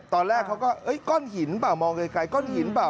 ตอนแรกเขาก็เฮ้ยก้อนหินป่ะมองไกลก้อนหินป่ะ